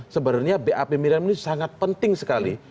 sebenarnya bap miriam ini sangat penting sekali